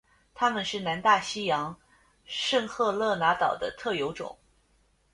它们是南大西洋圣赫勒拿岛的特有种。